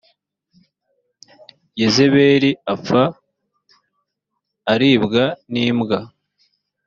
yezebeli apfa aribwa n’imbwa